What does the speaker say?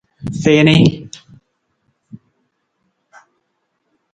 Tii nii.